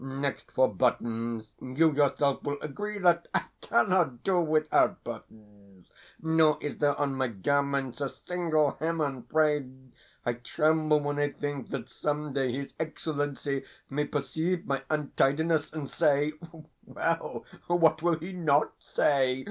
Next, for buttons. You yourself will agree that I cannot do without buttons; nor is there on my garments a single hem unfrayed. I tremble when I think that some day his Excellency may perceive my untidiness, and say well, what will he NOT say?